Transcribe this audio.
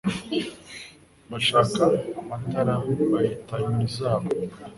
Bashaka amatara bayita imuri zabo